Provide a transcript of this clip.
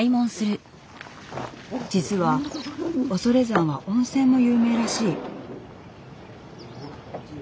実は恐山は温泉も有名らしい。